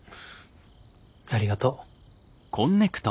ありがとう。